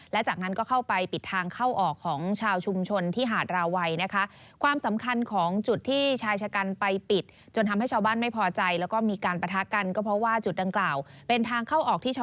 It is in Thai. และจากนั้นก็เข้าไปปิดทางเข้าออกของชาวชุมชนที่หาดราวัยนะคะ